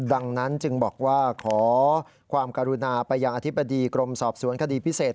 ดังนั้นจึงบอกว่าขอความกรุณาไปยังอธิบดีกรมสอบสวนคดีพิเศษ